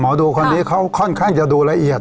ดูคนนี้เขาค่อนข้างจะดูละเอียด